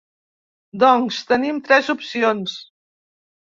Doncs tenim tres opcions.